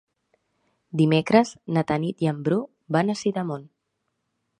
Dimecres na Tanit i en Bru van a Sidamon.